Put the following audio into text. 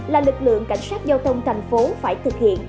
là lực lượng cảnh sát giao thông thành phố phải thực hiện